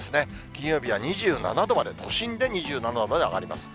金曜日は２７度まで、都心で２７度まで上がります。